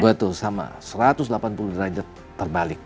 betul sama satu ratus delapan puluh derajat terbalik